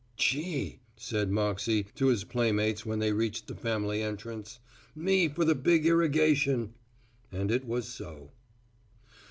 "Chee," said Moxey to his playmates when they reached the family entrance, "me for the big irrigation." And it was so.